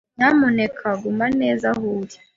Nyamuneka guma neza aho uri.